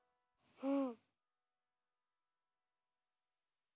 うん。